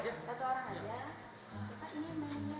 satu orang saja